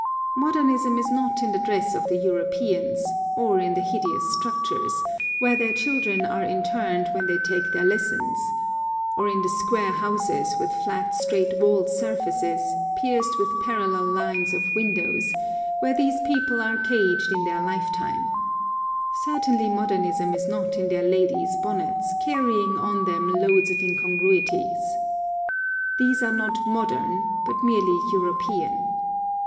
Modernism is not in the dress of the Europeans; or in the hideous structures, where their children are interned when they take their lessons; or in the square houses with flat straight wall surfaces, pierced with parallel lines of windows, where these people are caged in their lifetime; certainly modernism is not in their ladies' bonnets, carrying on them loads of incongruities. These are not modern, but merely European.